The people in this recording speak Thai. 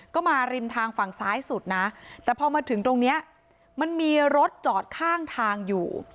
ก็มาริมทางฝั่งซ้ายสุดนะแต่พอมาถึงตรงนี้มันมีรถจอดข้างทางอยู่